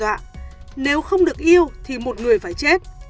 tân đã nhắn tin đe dọa nếu không được yêu thì một người phải chết